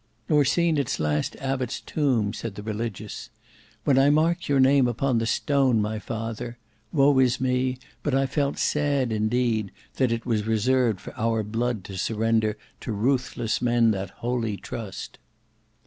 "Nor seen its last abbot's tomb," said the Religious. "When I marked your name upon the stone, my father;—woe is me, but I felt sad indeed, that it was reserved for our blood to surrender to ruthless men that holy trust."